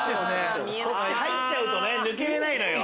入っちゃうと抜けれないのよ。